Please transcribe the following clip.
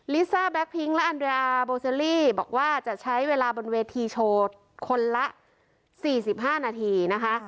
ลิซ่าแก๊พิงและอันเรียโบเซอรี่บอกว่าจะใช้เวลาบนเวทีโชว์คนละ๔๕นาทีนะคะ